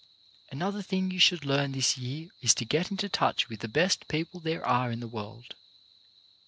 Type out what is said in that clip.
Another thing you should learn this year is to get into touch with the best people there are in the world.